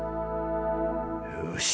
よし。